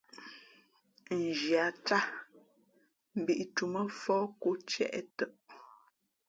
Nzhi a cát , mbǐtūmά fōh kō tiê tαʼ.